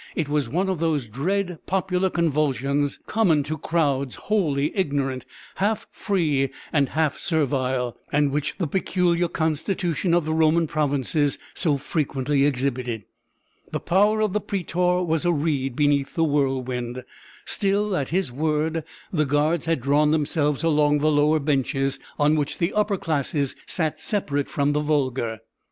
It was one of those dread popular convulsions common to crowds wholly ignorant, half free and half servile, and which the peculiar constitution of the Roman provinces so frequently exhibited. The power of the prætor was a reed beneath the whirlwind; still, at his word the guards had drawn themselves along the lower benches, on which the upper classes sat separate from the vulgar.